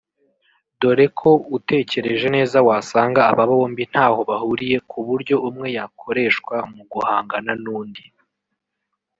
dore ko utekereje neza wasanga abo bombi ntaho bahuriye ku buryo umwe yakoreshwa mu guhangana n’undi